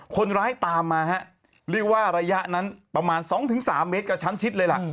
คนร้ายตามมาฮะเรียกว่าระยะนั้นประมาณ๒๓เมตรกับชั้นชิดเลยล่ะ